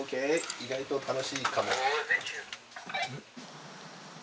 意外と楽しいかも。